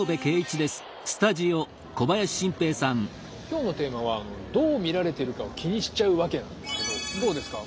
今日のテーマはどう見られてるかを気にしちゃうワケなんですけどどうですか？